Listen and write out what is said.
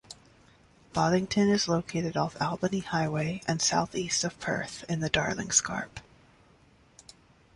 Boddington is located off Albany Highway and southeast of Perth in the Darling Scarp.